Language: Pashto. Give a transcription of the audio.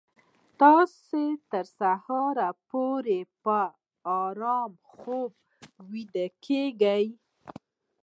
تاسو تر سهاره پورې په ارام خوب ویده کیږئ